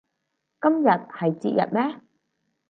今日係節日咩